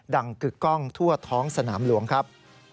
กึกกล้องทั่วท้องสนามหลวงครับ